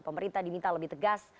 pemerintah diminta lebih tegas